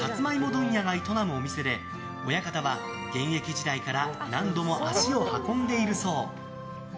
問屋が営むお店で親方は現役時代から何度も足を運んでいるそう。